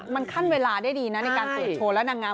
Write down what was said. มันขั้นเวลาได้ดีนะในการเปิดโชว์และนางงาม